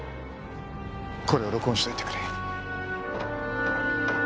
これを録音しておいてくれ。